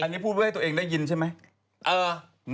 อันนี้พูดเพื่อให้ตัวเองได้ยินใช่ไหม